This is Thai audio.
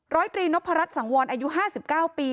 รอยตรีนพรัฐสังวลอายุห้าสิบเก้าปี